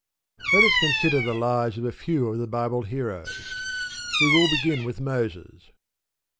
Let us consider the lives of a few of the Bible heroes. We will begin with Moses.